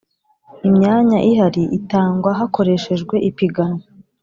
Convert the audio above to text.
Imyanya ihari itangwa hakoreshejwe ipiganwa